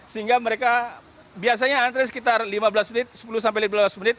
sehingga mereka biasanya antre sekitar lima belas menit sepuluh sampai lima belas menit